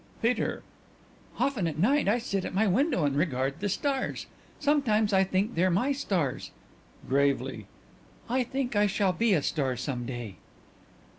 _ PETER: Often at night I sit at my window and regard the stars. Sometimes I think they're my stars.... (Gravely) I think I shall be a star some day....